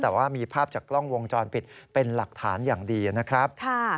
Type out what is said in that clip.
แต่ว่ามีภาพจากกล้องวงจรปิดเป็นหลักฐานอย่างดีนะครับ